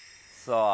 さあ。